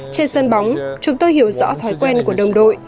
trên sân bóng chúng tôi hiểu rõ thói quen của đồng đội